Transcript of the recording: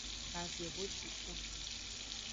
Kavehociton.